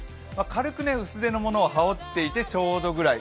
軽く薄手のものを羽織っていてちょうどいいぐらい。